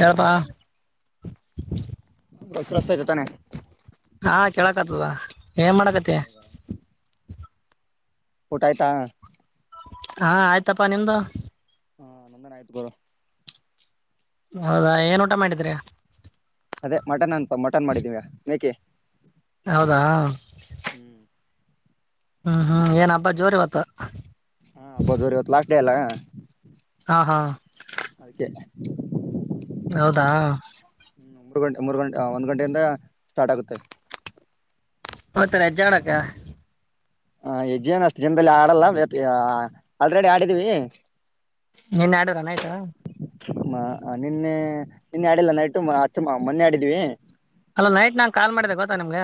ಎರತ ಹೇಳಪ್ಪಾ ಸ್ತಯತೆ ತಾನೆ ಹಾ ಕೇಳಕ್ ಆತದ ಏನ್ ಮಾಡಕತಿ ಊಟ ಆಯ್ತಾ ಹಾ ಆಯ್ತಪ್ಪಾ ನಿಮ್ದು ಹಾ ನ್ದನ್ ಆಯ್ತ್ ಗುರ ಹೌದಾ ಏನ್ ಊಟ ಮಾಡಿದ್ರ ಅದೇ ಮಟನ್ ಅನ್ಪ ಮಟನ್ ಮಾಡಿದೀವಿ ಮೇಕೆ ಹೌದಾ ಹ್ಮ್ ಹ್ಮ್ ಏನ್ ಹಬ್ಬಾ ಜೋರಿ ಇವತ್ತ ಹಾಬ್ಬದರಿ ಇವತ್ತು ಲಾಸ್ಟ್ ಡೇ ಅಲ್ಲಾ ಹಾ ಹಾ ಹೌದಾ ಹ್ಮ ಮೂರು ಗಂಟೆ ಮೂರು ಗಂಟೆ ಒಂದ್ ಗಂಟೆಯಿಂದ ಸ್ಟಾರ್ಟ್ ಆಗುತ್ತೆ ಹತ್ತ ಎಜಡಕಾ ಹ ಎಜಜವನ್ ಅಷ್ಟು ಜನದಲ್ಲಿ ಆಡಲ್ಲ ಆಲ್ರೆಡಿ ಆಡಿದೀವಿ ನೀನ್ ಆಡಾರನ್ ಆಯ್ತಾ ನಿನ್ನೆ ನಿನ್ನೆ ಆಡಿಲ್ಲ ನೈಟ್ ಅಚ್ಚಮ್ಮ ಮೊನ್ನೆ ಆಡಿದ್ವಿ ಅಲೋ ನೈಟ್ ನಾ ಕಾಲ್ ಮಾಡಿದೆ ಗೊತ್ತಾ ನಿಮ್ಗ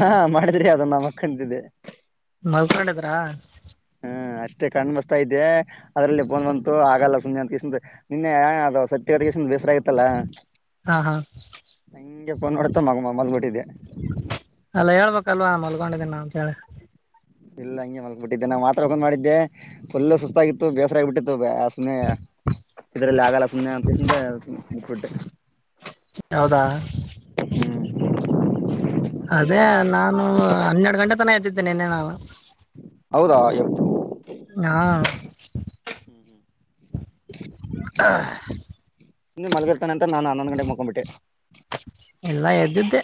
ಹಾ ಮಾಡಿದ್ರಿ ಅದ ನ ಮಕ್ಕಂತಿದ್ದೆ ಮಲ್ಕೊಂಡದ್ರ ಹ್ಮ ಅಷ್ಟೇ ಕಣು ಮುಚತಾ ಇದ್ದೆ ಅದ್ರಲ್ಲಿ ಫೋನ್ ಬಂತು ಆಗಲ್ಲ ಸುಮನೆ ಅಂತಸ ನಿನ್ನೆ ಅ ಸತ್ಯವರೆಗಸ ಬಸರ ಆತಲ್ಲ ಹಾ ಹಾ ಹಂಗೆಪ್ಪನ್ ನಡ್ತ ಮಗ ಮಾಮಲ್ ಬಿಟ್ಟಿದೆ ಅಲ್ಲಾ ಹೇಳ್ಬೇಕಲ್ವಾ ಮಲ್ಕೊಂಡಿದ್ದಿನ ಅಂತ ಹೇಳಿ ಇಲ್ಲ ಹಂಗೆ ಮಲಕ್ ಬಿಟ್ಟಿದ್ದೆ ನಾ್ ಮಾತ್ರ ಹಗೊಂಡ್ ಮಾಡಿದ್ದೆ ಫುಲ್ ಸುಸ್ತಾಗಿತ್ತು ಬೇಸರ ಆ ಬಿಟ್ಟಿತ್ತು ಬ ಸುಮ್ಮನೆ ಇದ್ರಲ್ಲಿ ಆಗಲ್ಲ ಸುಮ್ಮನೆ ಅ ಸು ಮುಕ್ಬಟ್ಟೆ ಹೌದಾ ಅದೇ ನಾನು ಹನ್ನೆರಡು ಗಂಟೆ ತನ ಹ್ದಿದ್ದೇನೆನ್ನೆ ನಾನು ಹೌದಾ ಹಟು ಹಾ ಸುಮ್ನೆ ಇ ಮಲಗಿರ್ತಾನೆ ಅಂತ ನಾನನ್ ಹನ್ನೊಂದ ಗಟೆಗೆ ಮುಕೊಂಬಿಟ್ಟೆ ಎಲ್ಲ ಎದ್ದ್ದೆ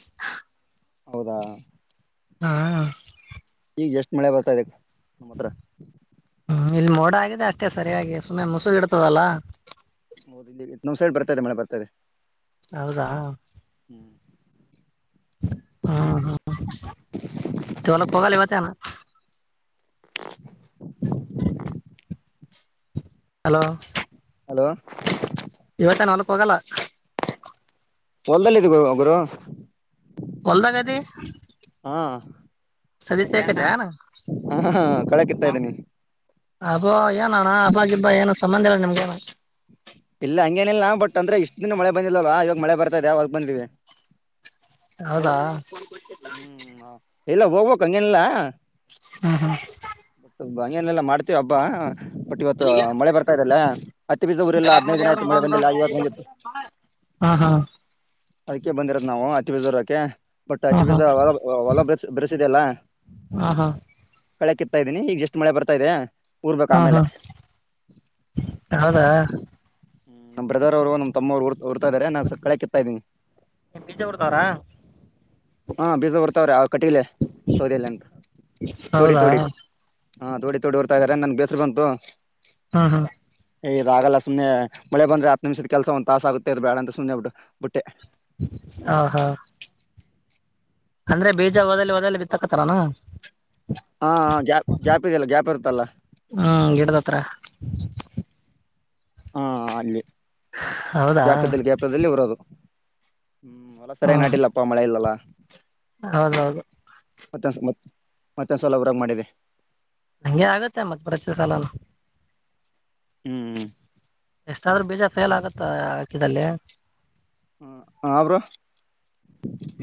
ಹೌದಾ ಹಾ ಈಗ ಎಷ್ಟು ಮಳೆ ಬರ್ತಾದೆ ನಮ್ಮ ಹತ್ರ ಹ್ಮ್ ಇಲ್ಲಿ ಮೋಡ ಆಗಿದೆ ಅಷ್ಟೇ ಸರಿಯಾಗಿ ಸುಮ್ಮನೆ ಮುಸುಗ ಇಡ್ತದಲ್ಲ ಹೌದ ನಮ್ ಸೈ ಬರ್ತದೆ ಮಳೆ ಬರ್ತದೆ ಹೌದಾ ಹ್ಮ್ ಹ್ಮ್ ಹ್ಮ್ ಹೊಲಕ್ ಹೋಗಲ್ಲ ಇವತ್ತೇನ [unintelligible] ಹಲೋ ಹಲೋ ಇವತ್ತ ನಾಲ್ಕ್ ಹೋಗಲ್ಲ ಹೊಲ್ಲಲಿದೆ ಗುರು ಒಬ್ರು ಹೊಲಗದಿ [inaudible] ಹಾ ಹಾ ಕಳೆ ಕಿತ್ತಾ ಇದ್ದೀನಿ ಅಬ್ಬೋ ಏನಣ್ಣ ಅಬ್ಗಿ ಇಬ್ಬಾ ಏನು ಸಂಬಂಧ ಇಲ್ಲ ನಿಮ್ಗೆನ ಇಲ್ಲ ಹಂಗೇನಿಲ್ಲಾ ಬಟ್ ಅಂದ್ರೆ ಇಷ್ಟ್ ದಿನ ಮಳೆ ಬಂದಲ್ವ ಇವಾಗ ಮಳೆ ಬರ್ತಾದೆ ಯಾವಾಗ ಬಂದ್ವಿ ಹೌದಾ ಎಲ್ಲ ಹೋಗ್ಬೇಕಕ್ ಹಂಗೇನಿಲ್ಲ ಹ್ಮ ಹಾ ಮನೆಯನೆಲ್ಲಾ ಮಾಡ್ತೇವಿ ಹಬ್ಬಾ. ಬಟ್ ಇವತ್ತು ಮಳೆ ಬರ್ತಾ ಇದದೆಲ್ಲ ಹತ್ತತ್ತು ಬೀಸದ ಊರಿಲ್ಲಾ ಹದಿನೈದು ದಿನ ಆಯ್ತು ಮಳೆ ಬಂದಿಲ್ಲ ಇವತ್ತು ಬಂದಿತ್ತು ಹಾ ಹಾ ಅದಕ್ಕೆ ಬಂದಿರೋತ್ ನಾವು ಹತ್ತ ಊರಕೆ ಹಾ ಹಾ ಹತ್ತಿ ಬೀಜ ಹಾ ಹೊಲ ಹೊಲ ಬೆರೆಸಿದೆಲ್ಲ ಕಳೆ ಕಿತ್ ಹೋಗ್ತಿದ್ದೀನಿ ಈಗ ಎಷ್ಟು ಮಳೆ ಬತಾಇದೆ ಊರ್ಬೇಕ ಹಾ ಹಾ ಹಾ ಆಮೇಲೆ ಹೌದಾ ಹ್ಮ್ ನಮ್ಮ ಬ್ರದರ್ ಅವ್ರು ನಮ್ಮವರುಊ ಉಊರ್ತ ಇದಾರೆ ನಾ ಸ್ವಲ್ಪ ಕಳೆದಿದ್ದೇನೆ ಇದೀನಿ ನೀಜ ಬಿಡ್ತಾರಾ. ಹ್ಮ್ಮ್ ಬೀಜ ಉರ್ತವ್ರ ಆ ಕಟ್ಟಿಗ್ಲೆ ಸೌದೇನ ತೋಡಿ ಹೌದಾ ತೋಡಿ. ಹಾ ತೋಡಿ ತೋಡಿ ಊರತವ್ರೇ ಇದ್ದಾರೆ ನನ್ಗೆ ಬೇಸರು ಬಂತು. ಹ್ಮ್ಮ್ ಹ್ಮ್ಮ್. ಇದಗಲ್ಲ ಸುಮ್ಮನೆ ಮಳೆ ಬಂದ್ರೆ ಹತ್ತು ನಿಮಷದ ಕೆಲಸ ಒಂದ ತಾಸ ಆಗುತ್ತೆ ಅದು ಬೇಡ ಅಂತ ಸುಮನೆ ಬಿಟ್ಟೆ ಬಿಟ್ಟೆ. ಹ್ಮ್ಮ್ ಹ್ಮ್ಮ್. ಅಂದ್ರೆ ಬೀಜ ಹೊದಲ್ಲಿ ಹೋದಲ್ಲಿ ಬಿತ್ತಾಕತೆರೆನು. ಹಾ ಗ್ಯಾಪ್ [unintelligible] ಗ್ಯಾಪ್ ಇದೆಯಲ್ಲ ಗ್ಯಾಪ್ ಇರುತ್ತಲ್ಲ ಹ್ಮ್ಮ್ ಗಿಡದ ಹತ್ತಿರ. ಹ್ಮ್ಮ್ ಅಲ್ಲಿ ಹೌದಾ ಗ್ಯಾಪ್ ಇದಲ್ಲಿ ಇದಲ್ಲೀ ಊರೋದು. ಹ್ಮ್ ಹೊಲ ಸರಿಯಾಗಿ ಹ್ಮ್ ನಾಟಿಲ್ಲ ಪಾ ಮಳೆ ಸರಿ ಇಲ್ಲಾ. ಹೌದೌದು. ಮತ್ತೊಂದ ಮ ಮತ್ತೊಂದ ಸವಲ ಹೊರಗೆ ಮಾಡಿದೆ. ಅಂಗೆ ಆಗತ್ತೆ ಮತ್ತ ಪ್ರತಿ ಸಲನ. ಹ್ಮ್ ಹ್ಮ್ಮ್. ಎಷ್ಟಾದ್ರೂ ಬೀಜ ಫೇಲ್ ಆಗುತ್ತೆ ಹಾಕಿದಲ್ಲಿ. ಹ್ಮ ಹಾ ಬ್ರೋ.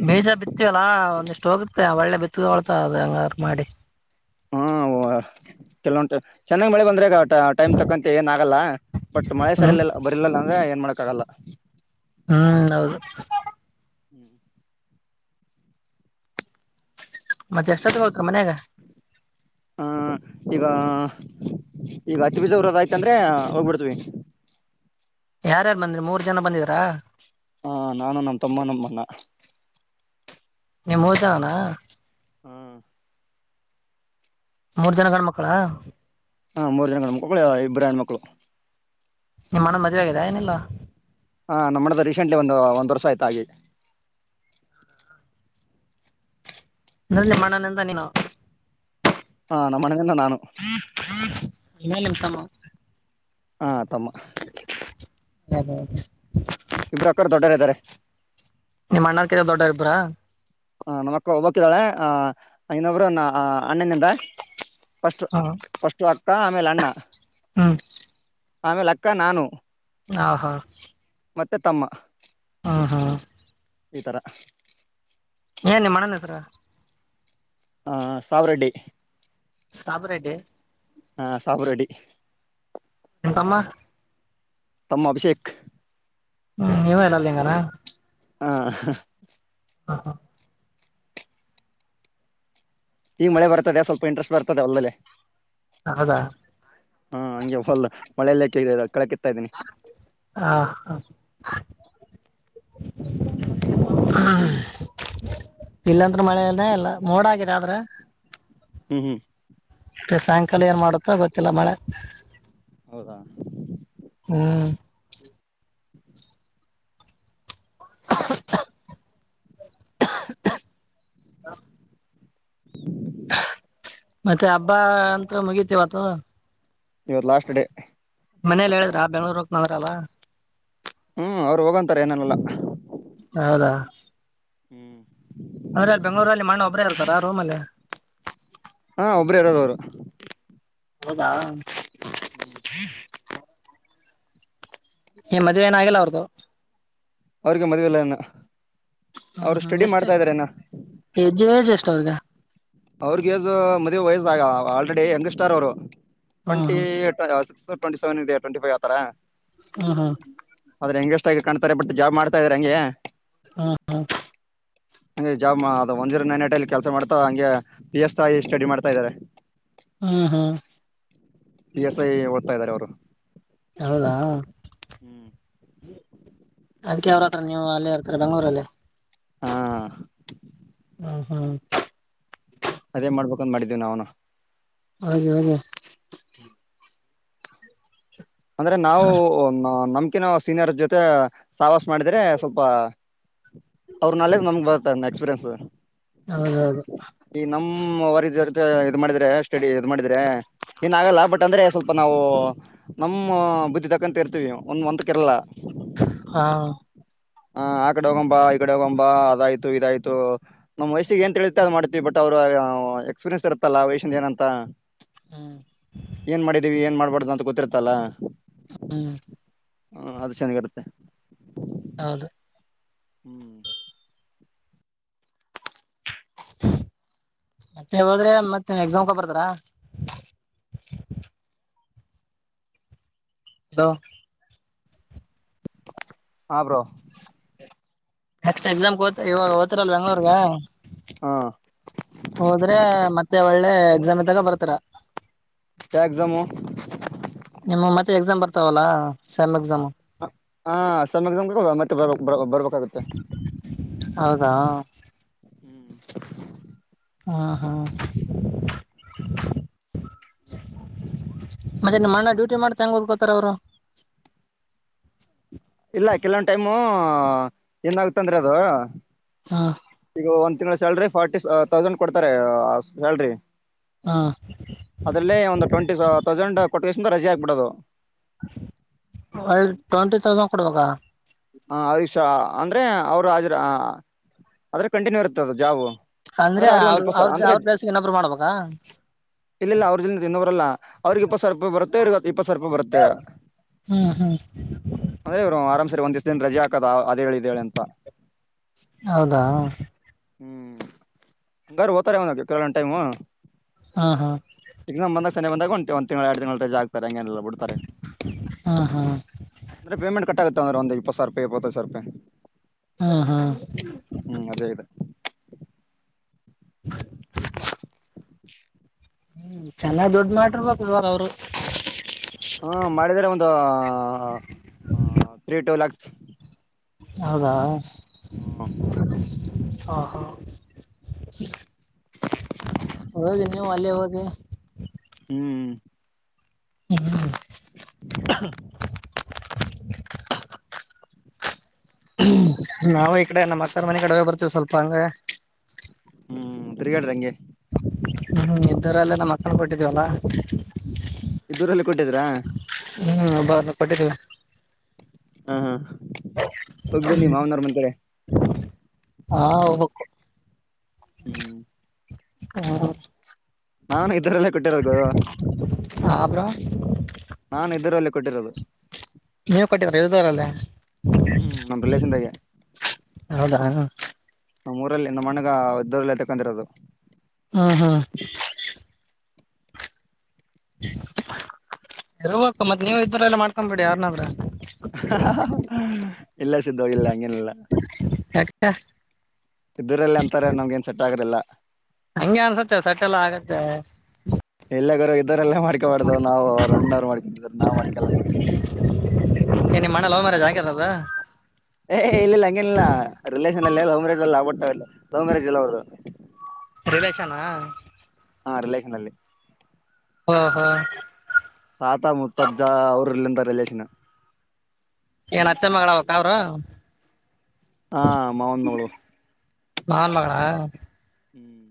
ಬೀಜ ಬಿತ್ತವಲ್ಲಾ ಒಂದಿಷ್ಟು ಹೋಗುತ್ತೆ ಒಳ್ಳೆ ಬಿತ್ತ ಹೊಳ್ತ ಅ ಹಂಗಾರ ಮಾಡಿ. ಹಾ ಕೆಲಂಟು ಚೆನ್ನಾಗ್ ಮಳಿ ಬಂದ್ರೆಗ. ಟೈಮ್ ತಕ್ಕಂತೆ ಏನ್ ಆಗಲ್ಲ ಬಟ್ ಮಳೆ ಹ್ಮ್ ಸರಿಲಿಲ್ಲ ಬರಿಲಲ್ಲ ಅಂದ್ರೆ ಏನ್ ಮಾಡಕ ಆಗಲ್ಲ. ಹ್ಮ್ ಹೌದು. ಹ್ಮ್. ಮತ್ತೆ ಎಷ್ಟೊತ್ತಿಗೆ ಹೋಗತ್ರ ಮನ್ಯಾಗ. ಹ್ಮ್ಮ್ ಈಗ ಈಗ ಹತಿ ಬೀಜ ಊರೋದು ಆಯ್ತ ಅಂದ್ರೆ ಹೋಗ್ಬಿಡ್ತವಿ. [inaudible] ಯಾರ ಯಾರು ಬಂದ್ರಿ ಮೂರ್ ಜನ ಬಂದಿದರಾ. ಹ ನಾನು ನಮ್ ತಮ್ಮ ನಮ್ಮಣ್ಣ ನಿವು ಮೂರು ಜನನ. ಹ್ಮ. ಮೂರ್ ಜನ ಗಂಡ ಮಕ್ಕಳ. ಹ್ಮ್ಮ್ ಮೂರು ಜನ ಗಂಡು ಮಕ್ಕಳು ಇಬರು ಹೆಣ್ಣು ಮಕ್ಕಳು. ನಿಮ್ಮ ಅಣ್ಣಾಗ ಮದುವೆ ಆಗಿದೆ ಏನಿಲ್ಲಾ. ಹ್ಮ್ಮ್ ನಮ್ಮ ಅಣ್ಣದು ರೀಸೆಂಟ್ಲಿ ಒಂದು ಒಂದ ವರ್ಷ ಆಯ್ತು ಹಾಗಿ. ಅಂದ್ರೆ ನಿಮ್ಮ ಅಣ್ಣ ನಿಂದೆ ನೀವು. ಹ್ಮ್ಮ್ ನಮ್ಮ ಅಣ್ಣ ನಿಂದೆ ನಾನು. [unintelligible] ಹ್ಮ್ಮ್ ತಮ್ಮ. [unintelligible] ಇಬರು ಅಕ್ಕರ ದೊಡ್ಡರ ಇದ್ದಾರೆ. ನಿಮ್ ಅಣ್ಣಾರ್ ಕಿಂತಾ ದೊಡ್ಡರಾ ಇಬರ. ಹ ನಮ್ಮಕ್ ಹಬಕಿದ್ದಾಳೆ ಆ ಇನ್ನೊಬ್ರು ಅಣ್ಣನಿಂದ ಫಸ್ಟ್ ಹ ಫಸ್ಟಟ್ ಅಕ್ಕ ಆಮೇಲೆ ಅಣನ್ನ ಹ್ಮ ಆಮೇಲೆ ಅಕ್ಕ ನಾನು ಹ ಹಾ ಮತ್ತೆ ತಮ್ಮ. ಹ್ಮ್ಮ್ ಹ್ಮ್ಮ್. ಈ ತರ. ಏ ನಿಮ್ಮಣ್ಣನ ಹೆಸರ. ಹ್ಮ್ಮ್ ಹ್ಮ್ಮ್ ಸಾವರೆಡ್ಡಿ. ಸಾಬರೆೆಡ್ಡಿ. ಹ್ಮ್ಮ್ ಸಾಬರೆಡ್ಡಿ. ನಿಮ್ಮ ತಮ್ಮ. ತಮ್ಮ ಅಭಿಷೇಕ್. ಹ್ಮ್ ನೀವ ಎಲ್ಲಂಗನ. ಹ್ಮ್ಮ್. ಹಾ ಹಾ ಈ ಮಳೆ ಬರ್ತದೆ ಸ್ವಲ್ಪ ಇಂಟ್ರೆಸ್ಟ್ ಬರ್ತದೆ ಒಲ್ಲಲ್ಲ ಹೌದಾ ಹಾ ಹಂಗೆ ಹೊಲ್ ಮಳೆಲ್ಲಕ್ಕ ಇದೆ ಕೆಳಕ ಇತ್ತಾ ಇದ್ದೀನಿ ಹಾ ಇಲ್ಲಂದ್ರ ಮಳೆನ ಎಲ್ಲ ಮೋಡ ಆಗಿದೆ ಆದ್ರ ಹ್ಮ್ ಹ್ಮ್ ಮತ್ತೆ ಸಾಯಂಕಾಲ ಏನ್ ಮಾಡುತ್ತ ಗೊತ್ತಿಲ್ಲ ಮಳೆ ಹೌದಾ ಹ್ಮ್ ಹ್ಮ [unintelligible] ಹ್ಮ ಮತ್ತೆ ಹಬ್ಬ ಅಂತ ಮುಗೀತಿವತ ಇವತ್ತು ಲಾಸ್ಟ್ ಡೇ ಮನೇಲಿ ಹೇಳಿದ್ರ ಬೆಂಗಳೂರ್ ಹೋಗನಂದ್ರಲ್ಲ ಹ್ಮ್ ಅವ್ರು ಹೋಗಂತಾರೆ ಏನನಲ್ಲಾ ಹೌದಾ ಹ್ಮ್ ಅದ್ರೆ ಅಲ್ಲಿ ಬೆಂಗಗಳೂರಲ್ಲಿ ಮಣ್ಣ ಒಬ್ರೇ ಇರ್ತಾರ ಆ ರೂಮಲ್ಲಿ ಹಾ ಒಬರು ಇರೋದವರು ಹೌದಾ ಏ ಮದ್ವೆ ಏನಾಗಿಲ್ಲ ಅವ್ರ್ದು ಅವ್ರಿಗೆ ಮದುವೆಲ್ಲ ಇನ್ನ ಹ ಅವ್ರು ಹ ಸ್ಟಡಿ ಎಷ್ಟು ಮಾಡ್ತಾ ಇದಾರೆ ಇನ್ನ ಹೆಜ್ಜ್ ಎಷ್ಟ ಷ್ಟರ್ಗ ಅವ್ರಗ ಮದುವೆ ವಯಸ್ಸಾಗ ಆಲ್ರೆಡಿ ಯಂಗ್ ಸ್ಟಾರ್ ಅವರು ಹ್ಮ್ ಟ್ವೆಂಟಿ ಟ್ವೆಂಟಿ ಸೆವೆನ್ ಇದೆ ಟ್ವೆಂಟಿ ಫೈವ್ ಆತರ ಹಾ ಹಾ ಹೆಂಗಗೆ ಎಸಗಿಿ ಕಾಣತಾರೆ ಬಟ್ ಜಾಬ್ ಮಾಡತಾ ಇದ್ರಾರೆ ಹಂಗೆ ಹ್ಮ ಹಾ ಹಗೆ ಜಾಬ್ ಅದು ಒನ್ ಜೀರೋ ನೈನ್ ಏಟ್ ಅಲ್ಲಿ ಕೆಲಸ ಮಾಡ್ತಾ ಹಂಗೆ ಪಿ ಎಸ್ ತಾಯಿ ಸ್ಟಡಿ ಮಾಡ್ತಾ ಇದಾರೆ ಹಾ ಹಾ ಪಿ ಎಸ್ ಐ ಓದ್ತಾ ಇದಾರೆ ಅವರು ಹೌದಾ ಹ್ಮ್ ಅದ್ಕ್ಕೆ ಅವ್ರತ್ರ ನೀವು ಅಲ್ಲೇ ಇರ್ತರ ಬೆಂಗಗಳೂರಲ್ಲಿೇ ಹಾ ಹ ಹಾ ಅದೇ ಮಾಡ್ಬೇಕಂತ ಮಾಡಿದ್ದೀವಿ ನ್ನ ಹೌದೆ ಹದೆ ಅಂದ್ರೆ ನಾವು ನಮ ಅ ನಾವು ಸೀನಿಯರ್ ಜೊತೆ ಸವಾಸ ಮಾಡಿದ್ರೆ ಸ್ವಲ್ಪ ಅವ್ರ ನಾಲೆಜ್ ನಮ ಎಕ್ಸ್ಪೀರಿಯನ್ಸ್ ಹೌದೌದು ಇ ಮಾಡಿದ್ರೆ ಸ್ಟಡಿ ಇದು ಮಾಡಿದ್ರೆ ಏನ್ ಆಗಲ್ಲ ಬಟ್ ಅಂದ್ರೆ ಸ್ವಲ್ಪ ನಾವು ನಮ್ಮ ಬುದ್ಧಿ ತಕ್ಕಂತ ಇರ್ತೀವಿ ಒಂದ ಒಂದ ಕೆರಳ ಹಾ ಹ ಆ ಕಡೆ ಹೋಗಂಬಾ ಈ ಕಡೆ ಹೋಗಂಬಾ ಅದಾಯ್ತು ಇದಾಯ್ತು ನಮ್ ವಯಸ್ಸಿಗೆ ಏನ್ಂತ ಹೇಳತಿ ಅ್ ಮಾಡ್ತತಿವಿ ಬಟ್ ಅವ್ ಅವ ಎಕ್ಸ್ಪೀರಿಯೆನ್ಸ್ ಇರುತ್ತಲ್ಲ ವೈಷನ್ ಏನಂತ ಹ್ಮ್ ಏನ್ ಮಾಡಿದೀವಿ ಏನ್ ಮಾಡ್ಬಾರ್ದು ಅಂತ ಗೊತ್ತಿರ್ತಲ್ಲ ಹ ಅದು ಚೆನ್ನಾಗಿರುತ್ತೆ ಹೌದು ಹ್ಮ್ ಮತ್ತೆ ಹೋದ್ರೆ ಮತ್ತೆ ಎಕ್ಸಾಮ್ಕ ಬರ್ತಾರ [inaudible] ಹಲೋ ಹ ಬ್ರೋ ಎಕ್ಸ್ಟ್ರಾ ಎಕ್ಸಾಮ ಕ ಇವಾಗ ಹೋತಿರಲ್ ಬೆಂಗ್ಳೂರ್ಗ ಹಾ ಹೋದ್ರೆ ಮತ್ತೆ ಒಳ್ಳೆ ಸಮಯ ತಾಗ ಬರ್ತಾರ ಎಟಕ್ ಜಮ್ಮು ನಿಮ್ಮ ಮತ್ತೆ ಎಕ್ಸಾಮ್ ಬರ್ತಾವಲ್ಲಾ ಸೆಮ್ ಎಕ್ಸಾಮ್ ಹ ಸಮ ಮತ್ತೆ ಬರ್ ಬರ್ಬೇಕಾಗತ್ತೆ ಹಾ ಹಾ ಹಾ ಮತ್ತೆ ನಿಮ್ಮಣ್ಣ ಡ್ಯೂಟಿ ಮಾಡ್ತಾಂಗ ಓದ್ಕೋತಾರ ಅವರು ಇಲ್ಲ ಕೆಲವೊಂದು ಟೈಮು ಏನ್ ಆಗತಂದ್ರೆ ಅದು ಹ್ಮ್ ಈಗ ಒಂದ್ ತಿಂಗಗಳ ಸ್ಯಾಲ್ರಿ ಫಾರ್ಟಿ ತೌಸಂಡ್ ಕೊಡ್ತಾರೆ ಸ್ಯಾಲ್ರಿ ಹ್ಮ್ ಅದರಲ್ಲೇ ಒಂದು ಟ್ವೆಂಟಿ ತೌಸಂಡ್ ಕೊಟ್ಟಷ್ಟಿಂದ ರಜೆ ಆಗ್ಬಿಡೋದು ಒಳ್ಳ ಟ್ವೆಂಟಿ ತೌಸಂಡ್ ಕೊಡ್ಬೇಕಾ ಹ ಆಯುಷ ಅಂದ್ರೆ ಅವರು ಹಾಜಿರ ಆದ್ರೆ ಕಂಟಿನ್ಯೂ ಇರುತ್ತ ಅಂದ್ರೆ ಅವ್ರ ಅವ್ರ ಅವ್ರ ಬ್ಲಸ್ಗೆ ಇನ್ನಬ್ರು ಮಾಡ್ಬೇಕಾ ಇಲ್ಲ ಇಿಲ್ಲ ಅವ್ರ ಜಿಂದ ತಿದವ್ರಲ್ಲಾ ಅವ್ರಗ್ ಇಪ್ಪತ್ ಸಾವಿರ ರೂಪಾಯಿ ಬರುತ್ತೆ ಅವ್ರಗ ಇಪ್ಪತ್ ಸಾವಿರ ರೂಪಾಯಿ ಬರುತ್ತೆ ಹ್ಮ್ ಹ್ಮ್ ಅಂದ್ರೆ ಇವರು ಆರಾಮ್ ಸರಿ ಒಂದ ದಿವಷ್ಟ ದಿನ ರಜೆ ಹಾಕೋದ ಅದೇಗಳಿದ್ದೇಳೆ ಅಂತ ಹೌದಾ ಹ್ಮ್ಂಗರು ಹತಾರೆ ಕೆೇಳಣಟೈಮ್ ಹಾ ಹಾ ಬಂದಾಗಂಟ ಒ ತಿ ಎರಡು ಜಾಗ ಡ್ರೆ ಹ್ಮ್ ಹ್ಮ್ ಹ್ಮ್ ಅಂದ್ರೆ ಪೇಮೆಂಟ್ ಕಂದ್ರೆ ಸರ್ಪೇ ಪತ ಸರ್ಪ ಹ್ಮ ಹಾ ಅದೇ ಇದೆ [unintelligible] ಹ್ಮ್ ಚೆನ್ನಾಗ್ ದುಡ್ ಮಾಡಿರ್ಬೇಕವ ಅವರು ಹ್ಮ ಮಾಡಿದ್ರೆ ಒಂದು ತ್ರೀ ಟೂ ಯಾಕ್ಸ್ ಹದ ಹ್ಞೂ ಹ ಹಾ ಹದ ನೀವು ಅಲ್ಲಿವಾಗಗೆ ಹ್ಮ್ ಹ್ಮ ನಾವು ಈ ಕಡೆ ನಮ್ಮ ಅಕ್ಕರ ಮನೆ ಕಡುವ ಬರ್ತೀವಿ ಸ್ವಲ್ಪ ಹಂಗಗೆ ಹ್ಮ್ ತಿರ್ಗಾಡ್ರಂಗೆ ಹ ಇದ್ದರಲ್ಲೆ ನಮ್ಮ ಮಕ್ಕಳ ಕೊಟ್ಟಿದ್ದೀವಲ್ಲ ದೂರಲ್ಲಿ ಕೊಟ್ಟಿದೀರಾ ಹ್ಮ್ ಬಲ್ಲ ಪಟ್ಟಿದ್ದಲ್ಲ ಹಾ ಹ ಪಗ ಬನ್ನಿ ಮಾವನ ಮಂದ ಕಡೆ ಹಾ ಹೋಗ್ಬೇಕು ಹ್ಮ್ ಹ್ಮ ನಾನು ಇದರಲ್ಲೇ ಕೊಟ್ಟಿರೋದು ಹ ಬ್ರೋ ನಾನು ಇದರಲ್ಲಿ ಕೊಟ್ಟಿರೋದು ನೀವು ಕಟ್ಟಿದಾರ ಇದಾರಲ್ಲ ಹ್ಮ್ ನಮ ರಿಲೇಷನ್ದಾಗೆ ಹೌದಾ ಹ ನಮ್ಮೂರಲ್ಲಿ ನಮ್ಮಣ್ಣಗ ಇದ್ದರಲ್ಲಿ ತಕ್ಕಂತಿರೋದು ಹಾ ಹಾ ಇರ್ಬೇಕು ಮತ್ ನೀವ ಇದ್ರ ಎಲ್ಲ ಮಾಡ್ಕೊಬಿಡಿ ಯಾರನಾದ್ರ ಇಲ್ಲ ಸಿದ್ಧವಾಗಿಲ್ಲ ಹಂಗೇನಿಲ್ಲ ಯಾಕೆ ಇದೂರಲ್ಲಿ ಅಂತಾರೆ ನಮ್ಗೆ ನ್ ಸೆಟ್ ಆಗರ್ಲ್ಲ ಹಂಗೆ ಅನ್ಸತ್ತೆ ಸಟ್ಟೆಲ್ಲಾ ಆಗತ್ತೆ ಎಲ್ಲಗಾರ ಇದರೆಲ್ಲ ಮಾಡ್ಕೊಬಾರ್ದ್ ನಾವು ಅವ್ರ ಅಣ್ಣ್ರು ಮಾಡ್ಕೊಂಡ ಇದ ನಾವ್ ಮಾಡ್ಕಲ್ಲ ಏನಮ್ಮ ಮಣ ಅವ ಮರ ಜಾಗೆರದ ಏ ಇಲ್ಲ ಹಂಗಿಲ್ಲ ರಿಲೇನ್ ಅಲ್ಲ ಹಮ್ರಲ್ಲ ಆಬಿಟ್ಟಲ್ಲ ಲವ್ ಮ್ಯಾರೇಜ್ ಇಲ್ಲ ಅವದು ಹ ಹ ರಿಲೇಟ್ ನಲ್ಲಿ ಹಾ ಹಾ ತಾತ ಮುತ್ತಜ್ಜ [unintelligible] ಏನ್ ಅತ್ತೆ ಮ್ಮಗಳ ಅವಕ್ಕ ಅವರು ಹಾ ಮಾವನ ಮಗಳು ಮಾವನ ಮಗಳ ಹ್ಮ್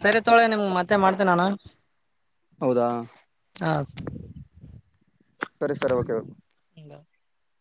ಸರಿ ತೋಳೆ ನಿಮ್ಗೆ ಮತ್ತೆ ಮಾಡ್ತೇನೆ ನಾನು ಹೌದಾ ಹ ಸರಿ ಸರಿ ಸರಿ ಓಕೆ [unintelligible]